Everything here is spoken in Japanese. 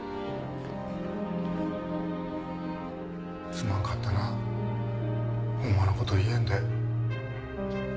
すまんかったなほんまの事言えんで。